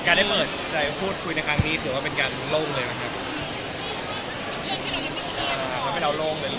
การได้เปิดใจพูดคุยในครั้งนี้ถือว่าเป็นการลงเลยเหรอครับอืม